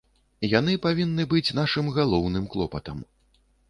Яны павінны быць нашым галоўным клопатам.